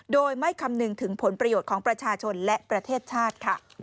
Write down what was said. โดยไม่คำนึงถึงผลประโยชน์ของประชาชนและประเทศชาติค่ะ